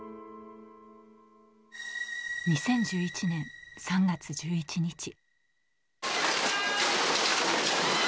２０１１年３月１１日。